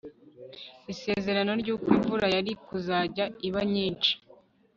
Isezerano ryuko imvura yari kuzajya iba nyinshi